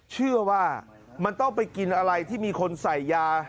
เชื่อว่ามันต้องไปกินอะไรที่มีคนใส่ยา